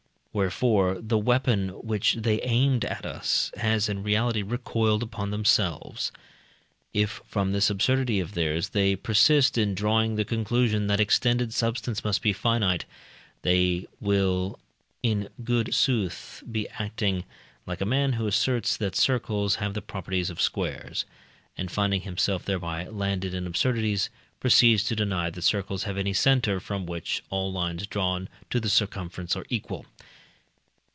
Wherefore the weapon which they aimed at us has in reality recoiled upon themselves. If, from this absurdity of theirs, they persist in drawing the conclusion that extended substance must be finite, they will in good sooth be acting like a man who asserts that circles have the properties of squares, and, finding himself thereby landed in absurdities, proceeds to deny that circles have any center, from which all lines drawn to the circumference are equal.